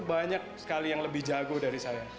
banyak sekali yang lebih jago dari saya